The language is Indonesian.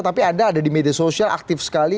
tapi anda ada di media sosial aktif sekali